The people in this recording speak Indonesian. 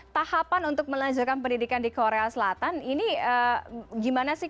tahapan untuk melanjutkan pendidikan di korea selatan ini gimana sih